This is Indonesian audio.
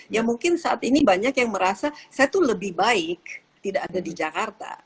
ya mungkin saat ini banyak yang merasa saya tuh lebih baik tidak ada di jakarta